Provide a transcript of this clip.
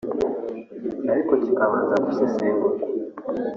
ariko kikabanza gusesengurwa